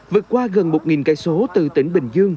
vượt qua gần một km từ tỉnh bình dương